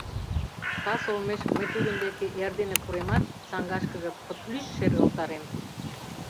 Кас олмеш мый тудын деке эрдене пуремат, саҥгашкыже пытлӱч шергылтарем.